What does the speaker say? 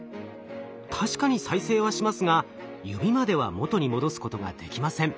確かに再生はしますが指までは元に戻すことができません。